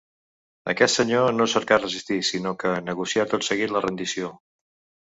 Aquest senyor, no cercà resistir sinó que negocià tot seguit la rendició.